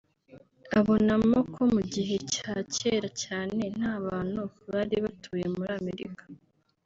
ubonamo ko mu gihe cya kera cyane nta bantu bari batuye muri Amerika